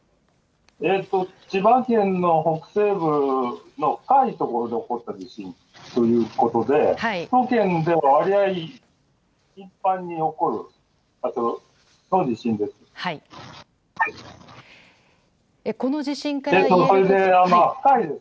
千葉県の北西部の深いところで起こった地震ということで首都圏でも割合頻繁に起こる地震です。